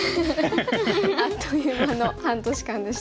あっという間の半年間でした。